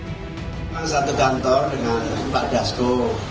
saya ada di satu kantor dengan pak dasko